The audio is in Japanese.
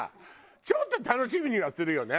ちょっと楽しみにはするよね。